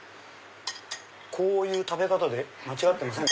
こういう食べ方で間違ってませんか？